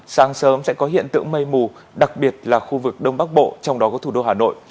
sáng sớm sẽ có hiện tượng mây mù đặc biệt là khu vực đông bắc bộ trong đó có thủ đô hà nội